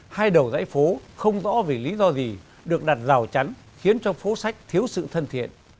hai đầu dãy phố không rõ vì lý do gì được đặt rào chắn khiến cho phố sách thiếu sự thân thiện